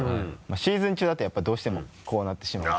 シーズン中だとやっぱりどうしてもこうなってしまうんで。